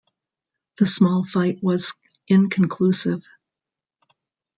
The small fight was inconclusive.